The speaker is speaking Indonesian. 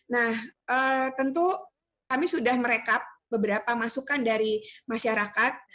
nah tentu kami sudah merekap beberapa masukan dari masyarakat